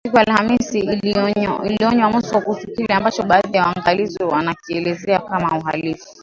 Washington siku ya Alhamis iliionya Moscow kuhusu kile ambacho baadhi ya waangalizi wanakielezea kama uhalifu wa